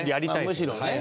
むしろね。